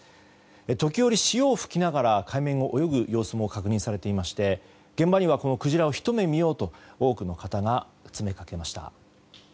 時折、潮を吹きながら海面を泳ぐ様子も確認されていまして現場には、このクジラをひと目見ようと多くの方が詰めかけました。